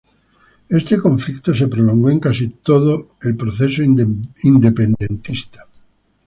Este conflicto se prolongó en casi todo el proceso independentista.